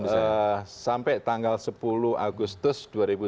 sampai tanggal sepuluh agustus dua ribu delapan belas